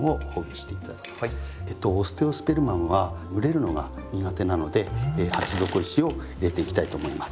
オステオスペルマムは蒸れるのが苦手なので鉢底石を入れていきたいと思います。